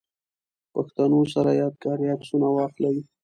پښتنو سره ياد ګاري عکسونه واخلئ